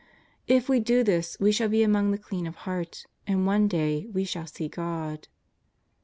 If we do this we shall be among the clean of heart, and one day we shall see God.